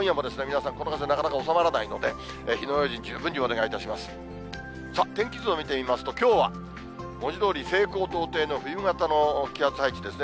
さあ、天気図を見てみますと、きょうは、文字どおり西高東低の冬型の気圧配置ですね。